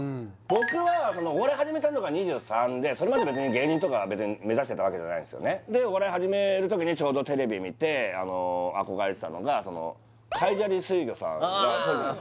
僕はお笑い始めたのが２３でそれまで別に芸人とか別に目指してたわけじゃないんすよねでお笑い始める時にちょうどテレビ見てあの憧れてたのが海砂利水魚さんあ